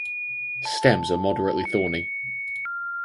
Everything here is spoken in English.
Stems are moderately thorny.